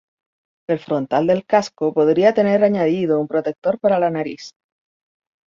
El frontal del casco podría tener añadido un protector para la nariz.